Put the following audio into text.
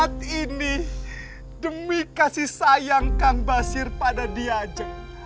saat ini demi kasih sayang kang basir pada diajak